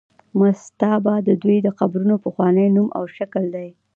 مستابه د دوی د قبرونو پخوانی نوم او شکل دی.